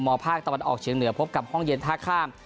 ภาคตะวันออกเชียงเหนือพบกับห้องเย็นท่าข้าม